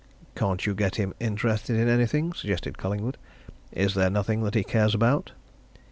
"Can't you get him interested in anything?" suggested Collingwood. "Is there nothing that he cares about?"